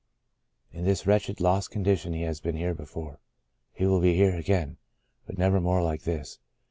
In this wretched, lost condition he has been here before. He will be here again — but never more like this.